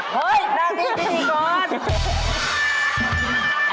เฮ่ยนั่งดีก่อน